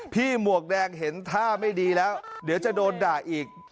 หมวกแดงเห็นท่าไม่ดีแล้วเดี๋ยวจะโดนด่าอีก